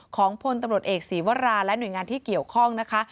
ของพลตำรวจเอกศีวราและหน่วยงานที่เกี่ยวข้องนะคะ